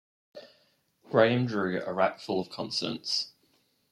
Graham drew a rack full of consonants.